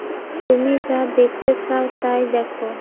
তুমি যা দেখতে চাও তাই দেখো।